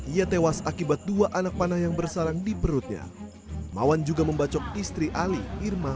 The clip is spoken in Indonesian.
ia tewas akibat dua anak panah yang bersarang di perutnya mawan juga membacok istri ali irma